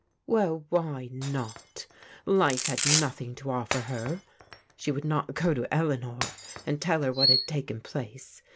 Well, why not ? Life had nothing to offer her. She would not go to Eleanor and tell her what had taken place.